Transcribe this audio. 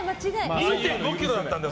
２．５ｋｇだったんだよ